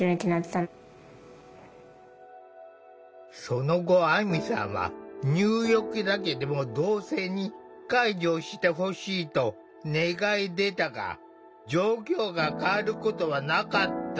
その後あみさんは「入浴だけでも同性に介助してほしい」と願い出たが状況が変わることはなかった。